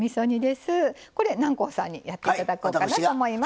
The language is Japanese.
これ南光さんにやって頂こうかなと思います。